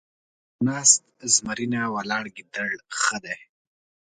د ناست زمري نه ، ولاړ ګيدړ ښه دی.